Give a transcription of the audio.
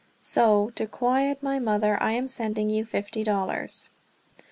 So to quiet my mother I am sending you fifty dollars."